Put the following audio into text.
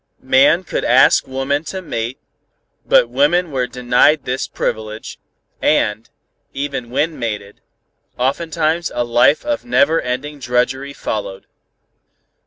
Man could ask woman to mate, but women were denied this privilege, and, even when mated, oftentimes a life of never ending drudgery followed.